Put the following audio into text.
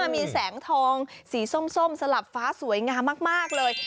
มีแสงทองสีส้มสลับฟ้าสวยงามมากเลย